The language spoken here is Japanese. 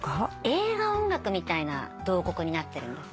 映画音楽みたいな『慟哭』になってるんですね。